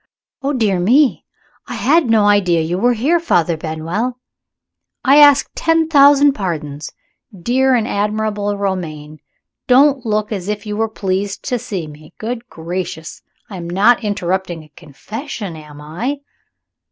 "Oh, dear me! I had no idea you were here, Father Benwell. I ask ten thousand pardons. Dear and admirable Romayne, you don't look as if you were pleased to see me. Good gracious! I am not interrupting a confession, am I?"